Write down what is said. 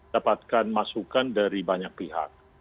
dapatkan masukan dari banyak pihak